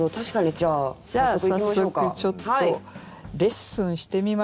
じゃあ早速ちょっとレッスンしてみましょう。